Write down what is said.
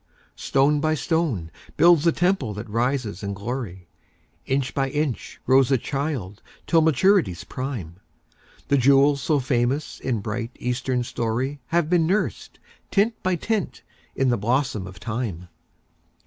Stone by stone builds the temple that rises in glory, Inch by inch grows the child till maturity's prime; The jewels so famous in bright, Eastern story Have been nursed, tint by tint, in the blossom of Time.